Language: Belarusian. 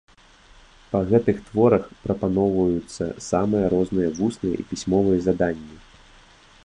Па гэтых творах прапаноўваюцца самыя розныя вусныя і пісьмовыя заданні.